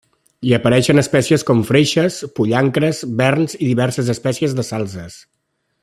Hi apareixen espècies com freixes, pollancres, verns i diverses espècies de salzes.